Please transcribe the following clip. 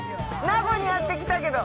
名護にやってきたけど。